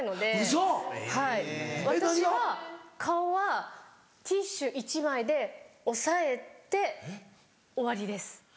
はい私は顔はティッシュ１枚で押さえて終わりです。